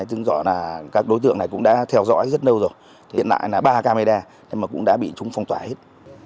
tức là các đối tượng này cũng đã theo dõi rất lâu rồi hiện lại là ba camera nhưng mà cũng đã bị chúng phong tỏa hết